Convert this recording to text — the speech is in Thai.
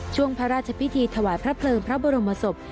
พระราชพิธีถวายพระเพลิงพระบรมศพ